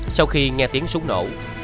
sau khi nghe tiếng súng nổ